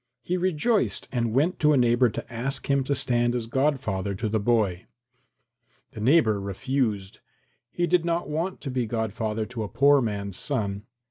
He rejoiced and went to a neighbour to ask him to stand as godfather to the boy. The neighbour refused. He did not want to be godfather to a poor man's son.